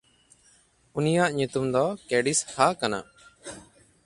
ᱩᱱᱤᱭᱟᱜ ᱧᱩᱛᱩᱢ ᱫᱚ ᱠᱮᱰᱤᱥᱦᱟ ᱠᱟᱱᱟ᱾